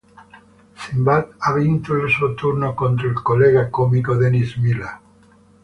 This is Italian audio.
Sinbad ha vinto il suo turno contro il collega comico Dennis Miller.